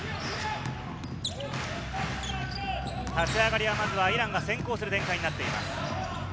立ち上がりはまずはイランが先行する展開です。